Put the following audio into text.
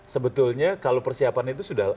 sebetulnya kalau persiapan itu sudah